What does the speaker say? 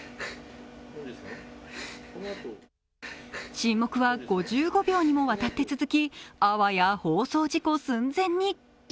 沈黙は５５秒にもわたって続き、あわや放送事故寸前に。